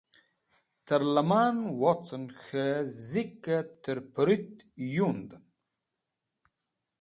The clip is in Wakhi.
Ter lẽman wocẽn k̃hũ zikẽ tẽr pẽrũt yundẽn